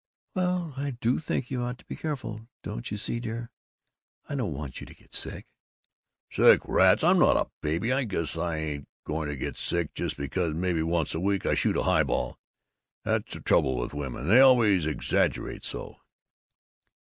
"Well, I do think you ought to be careful. Don't you see, dear, I don't want you to get sick." "Sick, rats! I'm not a baby! I guess I ain't going to get sick just because maybe once a week I shoot a highball! That's the trouble with women. They always exaggerate so."